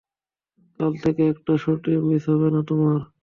কাল থেকে একটা সর্টিও মিস হবে না তোমার।